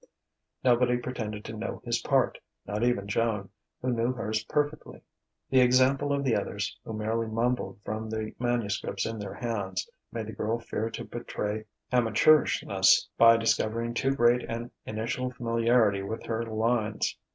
Nobody pretended to know his part not even Joan, who knew hers perfectly. The example of the others, who merely mumbled from the manuscripts in their hands, made the girl fear to betray amateurishness by discovering too great an initial familiarity with her lines.